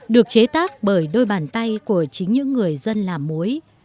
được chế tác bởi đôi bàn tay của chính những người dân làm muối